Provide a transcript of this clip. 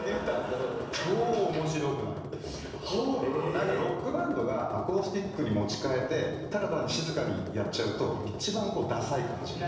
なんかロックバンドがアコースティックに持ち替えてただ単に静かにやっちゃうと一番ダサい感じに。